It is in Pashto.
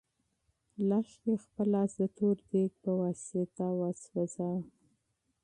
لښتې خپل لاس د تور دېګ په واسطه وسوځاوه.